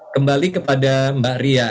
kembali kepada mbak ria